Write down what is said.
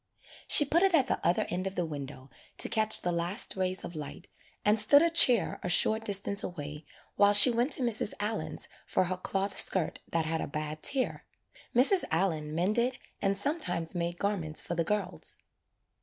She put it at the other end of the window to catch the last rays of light and stood a chair a short distance away while she went to Mrs. Allen's for her cloth skirt that had a bad tear. Mrs. Allen mended and sometimes made garments for the girls.